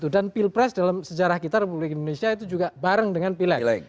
pilpres dalam sejarah kita republik indonesia itu juga bareng dengan pileg